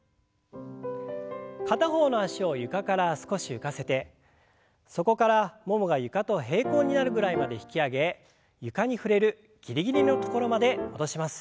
片方の脚を床から少し浮かせてそこからももが床と平行になるぐらいまで引き上げ床に触れるギリギリの所まで戻します。